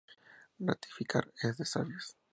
Rectificar es de sabios